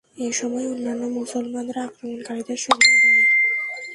এ সময় অন্যান্য মুসলমানরা আক্রমণকারীদের সরিয়ে দেয়।